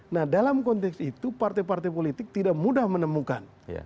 nah dalam konteks itu partai partai politik tidak mudah menemukan